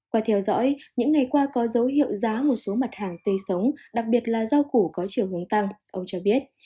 qua theo dõi những ngày qua có dấu hiệu giá một số mặt hàng tươi sống đặc biệt là rau củ có chiều hướng tăng ông cho biết